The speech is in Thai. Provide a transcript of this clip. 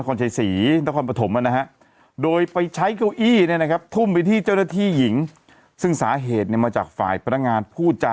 โอ้โหแค่นี้ก็แค่นี้ก็เอามาเห็นแล้วเถอะ